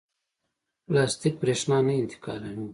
پلاستیک برېښنا نه انتقالوي.